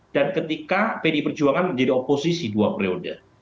dan ketika pdi perjuangan menjadi oposisi dua periode